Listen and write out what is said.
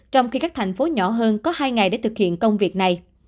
trong khi các thành phố nhỏ hơn có hai ngày để thực hiện công việc này